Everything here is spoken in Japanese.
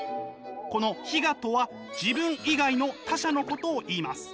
この非我とは自分以外の他者のことをいいます。